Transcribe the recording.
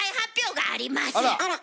あら！